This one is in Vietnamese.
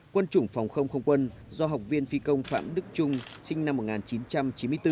quân chủng phòng không không quân do học viên phi công phạm đức trung sinh năm một nghìn chín trăm chín mươi bốn